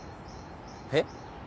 えっ？